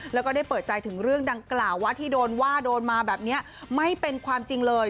แล้วก็ได้เปิดใจถึงเรื่องดังกล่าวว่าที่โดนว่าโดนมาแบบนี้ไม่เป็นความจริงเลย